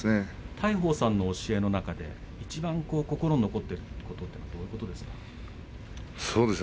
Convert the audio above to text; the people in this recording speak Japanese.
大鵬さんの教えの中でいちばん心に残っているのはどんなことですか？